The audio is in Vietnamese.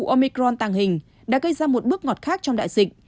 omicron tàng hình đã gây ra một bước ngọt khác trong đại dịch